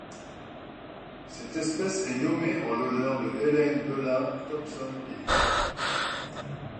Cette espèce est nommée en l'honneur de Helen Beulah Thompson Gaige.